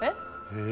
へえ？